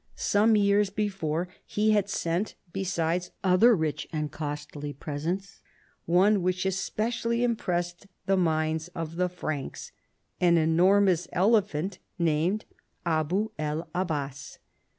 Some years before he had sent, besides other rich and costly presents, one which especially impressed the minds of the Franks, an enormous elephant named Abu 1 Abbas.